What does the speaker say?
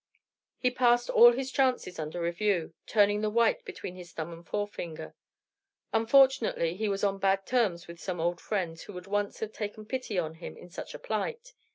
He passed all his chances under review, turning the white between his thumb and forefinger. Unfortunately he was on bad terms with some old friends who would once have taken pity on him in such a plight.